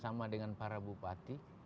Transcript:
sama dengan para bupati